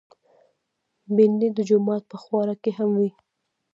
بېنډۍ د جومات پر خواړه کې هم وي